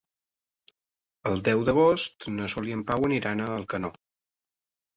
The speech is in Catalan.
El deu d'agost na Sol i en Pau aniran a Alcanó.